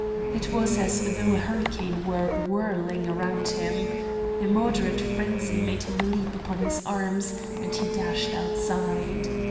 It was as though a hurricane were whirling around him. Immoderate frenzy made him leap upon his arms, and he dashed outside.